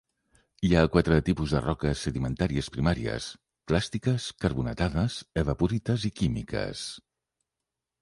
Hi ha quatre tipus de roques sedimentàries primàries: clàstiques, carbonatades, evaporites i químiques.